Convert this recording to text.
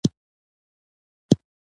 د درې مياشتو په موده کې